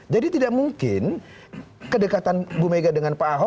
jadi tidak mungkin kedekatan bu mega dengan pak ahok